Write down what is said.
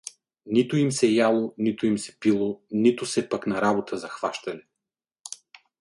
Нито им се яло, нито им се пило, нито се пък на работа захващали.